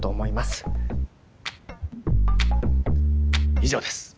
以上です。